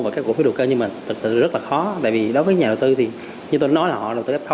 và các cổ phiếu đầu tư như mình thật sự rất là khó vì đối với nhà đầu tư thì như tôi nói là họ đầu tư f